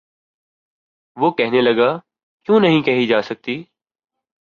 وہ کہنے لگا:کیوں نہیں کہی جا سکتی؟